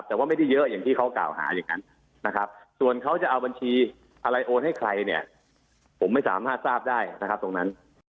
แต่ว่าไม่ได้เยอะอย่างที่เขากล่าวหาอย่างนั้นนะครับส่วนเขาจะเอาบัญชีอะไรโอนให้ใครเนี่ยผมไม่สามารถทราบได้นะครับตรงนั้น